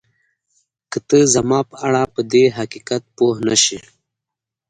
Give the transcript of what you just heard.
که ته زما په اړه پدې حقیقت پوه نه شې